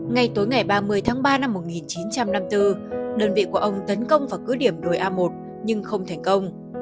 ngay tối ngày ba mươi tháng ba năm một nghìn chín trăm năm mươi bốn đơn vị của ông tấn công vào cứ điểm đồi a một nhưng không thành công